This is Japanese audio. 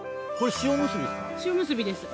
塩むすびです。